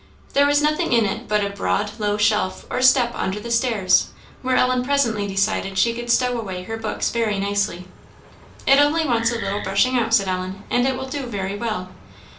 There was nothing in it but a broad, low shelf or step under the stairs, where Ellen presently decided she could stow away her books very nicely. "It only wants a little brushing out," said Ellen, "and it will do very well."